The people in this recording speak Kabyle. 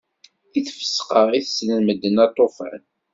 S tfesqa i tettlen medden aṭufan.